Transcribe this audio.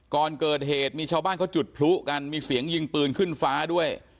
ก่อนเกิดเหตุมีชาวบ้านเขาจุดพลุกันมีเสียงยิงปืนขึ้นฟ้าด้วย